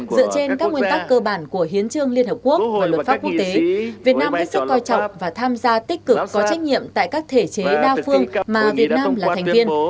dựa trên các nguyên tắc cơ bản của hiến trương liên hợp quốc và luật pháp quốc tế việt nam hết sức coi trọng và tham gia tích cực có trách nhiệm tại các thể chế đa phương mà việt nam là thành viên